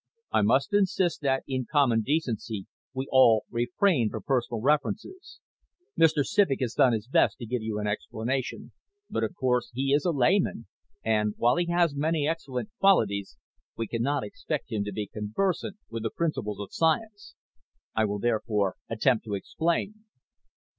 I must insist that in common decency we all refrain from personal references. Mr. Civek has done his best to give you an explanation, but of course he is a layman and, while he has many excellent qualities, we cannot expect him to be conversant with the principles of science. I will therefore attempt to explain.